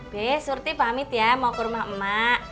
be surti pamit ya mau ke rumah emak